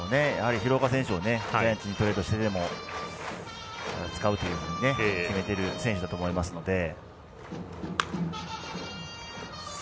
廣岡選手をジャイアンツにトレードしてでも使うというふうに決めてる選手だと思うのでね。